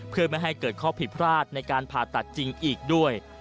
เพื่อไม่ให้เกิดข้อผิดพลาดในการผ่าตัดจริงอีกด้วย